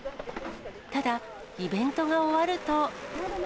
ただ、イベントが終わると。